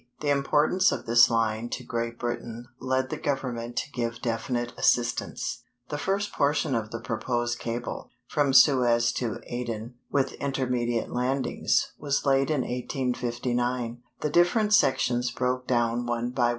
The importance of this line to Great Britain led the Government to give definite assistance. The first portion of the proposed cable from Suez to Aden, with intermediate landings was laid in 1859. The different sections broke down one by one.